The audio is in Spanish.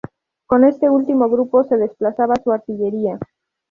Con este último grupo se desplazaba su artillería.